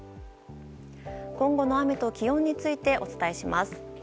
今後の雨と気温についてお伝えします。